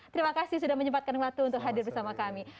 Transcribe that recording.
terima kasih sudah menyempatkan waktu untuk hadir bersama kami